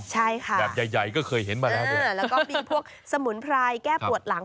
ใช่ค่ะแบบใหญ่ใหญ่ก็เคยเห็นมาแล้วด้วยแล้วก็มีพวกสมุนไพรแก้ปวดหลัง